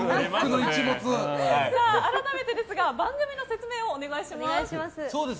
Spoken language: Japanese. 改めてですが、番組の説明をお願いします。